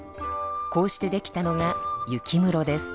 こうしてできたのが雪むろです。